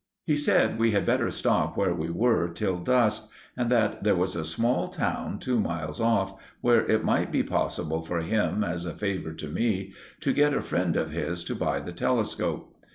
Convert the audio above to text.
He said we had better stop where we were till dusk, and that there was a small town, two miles off, where it might be possible for him, as a favour to me, to get a friend of his to buy the telescope.